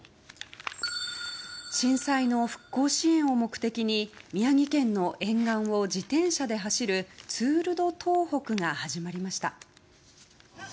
震災の復興支援を目的に宮城県の沿岸を自転車で走るツール・ド・東北が始まりました。